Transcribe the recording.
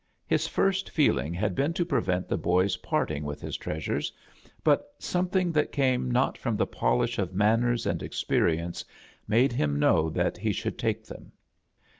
His first feeling had been to prevent the boy's parting with his treasures, but something that came not from the polish of manners and experience made him know that he shotild take them.